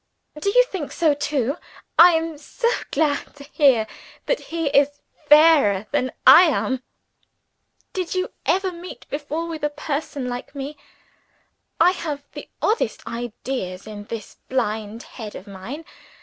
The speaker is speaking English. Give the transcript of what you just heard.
Do you think so too? I am so glad to hear that he is fairer than I am! Did you ever meet before with a person like me? I have the oddest ideas in this blind head of mine.